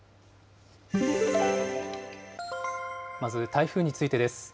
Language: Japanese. まず台風についてです。